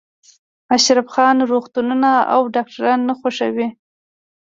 اشرف خان روغتونونه او ډاکټران نه خوښوي